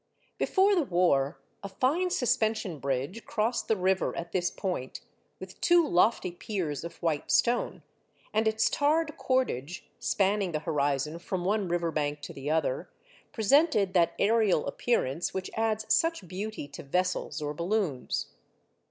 Before the war, a fine suspension bridge crossed the river at this point, with two lofty piers of white stone, and its tarred cordage, spanning the horizon from one river bank to the other, presented that aerial appearance which adds such beauty to vessels or balloons.